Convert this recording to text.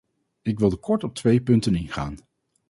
Ik wilde kort op twee punten ingaan.